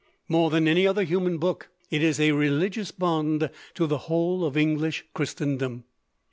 More than any other human book, it is "a religious bond to the whole of English Christendom."